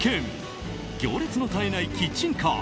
行列の絶えないキッチンカー。